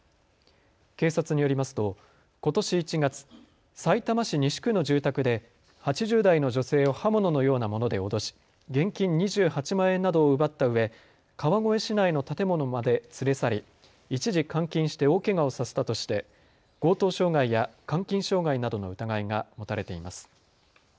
警察によりますとことし１月、さいたま市西区の住宅で８０代の女性を刃物のようなもので脅し現金２８万円などを奪ったうえ川越市内の建物まで連れ去り一時監禁して大けがをさせたとして強盗傷害や監禁傷害などの疑いが持たれています。